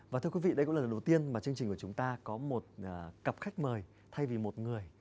và thưa quý vị đây cũng là lần đầu tiên mà chương trình của chúng ta có một cặp khách mời thay vì một người